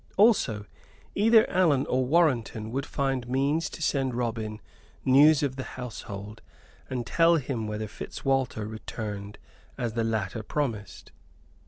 Also either Allan or Warrenton would find means to send Robin news of the household, and tell him whether Fitzwalter returned as the latter promised.